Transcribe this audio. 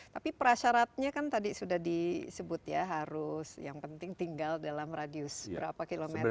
tapi prasyaratnya kan tadi sudah disebut ya harus yang penting tinggal dalam radius berapa kilometer